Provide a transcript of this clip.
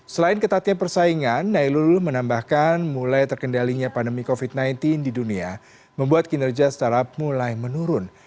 selain ketatnya persaingan nailul menambahkan mulai terkendalinya pandemi covid sembilan belas di dunia membuat kinerja startup mulai menurun